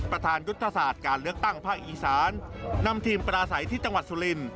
ประธานยุทธศาสตร์การเลือกตั้งภาคอีสานนำทีมปราศัยที่จังหวัดสุริน